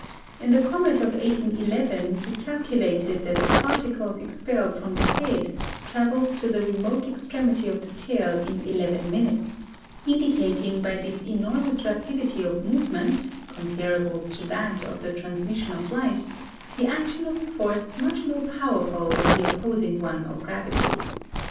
In the comet of 1811 he calculated that the particles expelled from the head travelled to the remote extremity of the tail in eleven minutes, indicating by this enormous rapidity of movement (comparable to that of the transmission of light) the action of a force much more powerful than the opposing one of gravity.